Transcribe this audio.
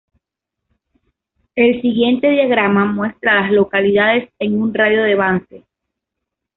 El siguiente diagrama muestra a las localidades en un radio de de Vance.